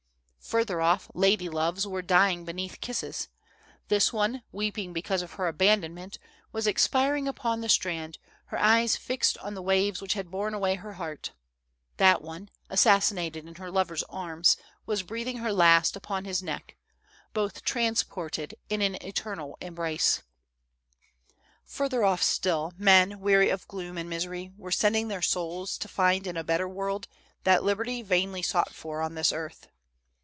"Further off, ladyloves were dying beneath kisses. This one, weeping because of her abandonment, ^vas THE soldiers' DREAMS. 287 expiring upon the strand, her eyes fixed on the waves which had borne away her heart; that one, assassinated in her lover's arms, was breathing her last upon his neck — both transported in an eternal embrace. "Further off still, men, weary of gloom and misery, were sending their souls to find in a better world that liberty vainly sought for on this earth.